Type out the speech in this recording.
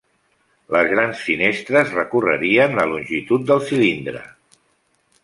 Les grans finestres recorrerien la longitud del cilindre.